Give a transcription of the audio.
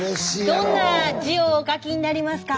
どんな字をお書きになりますか？